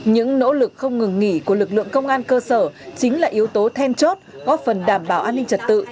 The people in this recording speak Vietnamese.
những nỗ lực không ngừng nghỉ của lực lượng công an cơ sở chính là yếu tố then chốt góp phần đảm bảo an ninh trật tự